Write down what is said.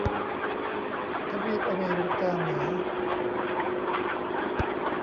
ทวีปอเมริกาเหนือ